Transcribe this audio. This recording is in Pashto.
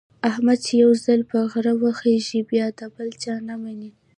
احمد چې یو ځل په غره وخېژي، بیا د بل چا نه مني.